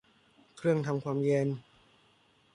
เครื่องทำความเย็น